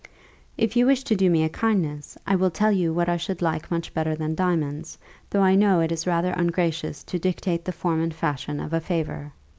If you wish to do me a kindness, I will tell you what I should like much better than diamonds, though I know it is rather ungracious to dictate the form and fashion of a favour.